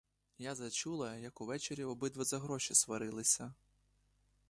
Я зачула, як увечері обидва за гроші сварилися.